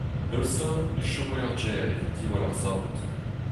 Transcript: Neuze e chomo er gêr 'vit diwall ar saout.